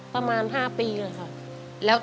ประมาณ๕ปีค่ะ